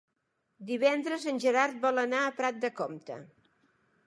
Divendres en Gerard vol anar a Prat de Comte.